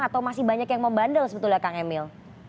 atau masih banyak yang membandel sebetulnya kang emil